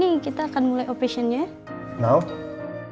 tapi terima kasih banyak ya pak